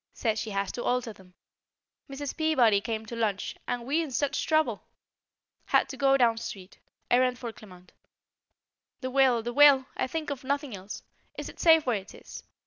Says she has to alter them. Mrs. Peabody came to lunch, and we in such trouble! Had to go down street. Errand for Clement. The will, the will! I think of nothing else. Is it safe where it is?